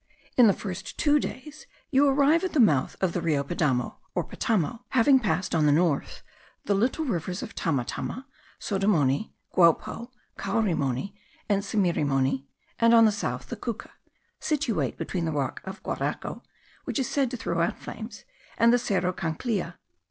In the first two days you arrive at the mouth of the Rio Padamo, or Patamo, having passed, on the north, the little rivers of Tamatama, Sodomoni, Guapo, Caurimoni, and Simirimoni; and on the south the Cuca, situate between the rock of Guaraco, which is said to throw out flames, and the Cerro Canclilla.